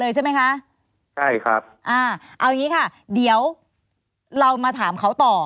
เอาอย่างนี้ค่ะเดี๋ยวเรามาถามเขาต่อ